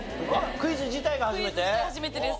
クイズ自体初めてです。